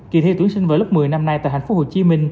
kỳ thi tuyển sinh vào lớp một mươi năm nay tại tp hcm